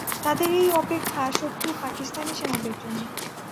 তাঁদের এই অপেক্ষা শত্রু পাকিস্তানি সেনাদের জন্য।